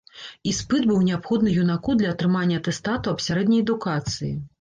Іспыт быў неабходны юнаку для атрымання атэстату аб сярэдняй адукацыі.